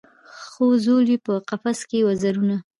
خو ځول یې په قفس کي وزرونه